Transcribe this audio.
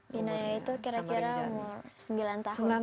binaya itu kira kira umur sembilan tahun